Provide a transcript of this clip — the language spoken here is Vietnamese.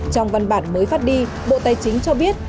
trong văn bản mới phát đi bộ tài chính cho biết